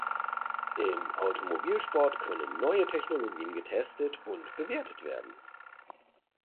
Im Automobilsport können neue Technologien getestet und bewertet werden.